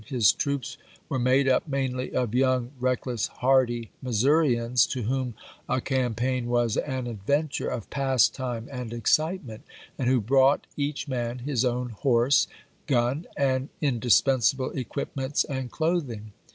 His troops were made up mainly of young, reckless, hardy Missourians, to whom a campaign was an adventure of pastime and excite ment, and who brought, each man, his own horse, gun, and indispensable equipments and clothing.